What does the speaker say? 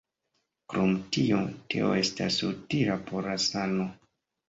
Krom tio, teo estas utila por la sano.